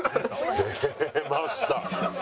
出ました。